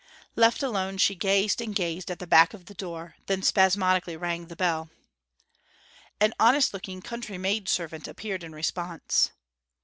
Left alone she gazed and gazed at the back of the door, then spasmodically rang the bell. An honest looking country maid servant appeared in response.